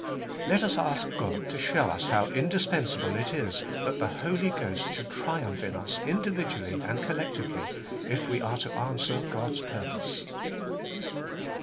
Let us ask God to show us how indispensable it is that the Holy Ghost should triumph in us individually and collectively if we are to answer God's purpose.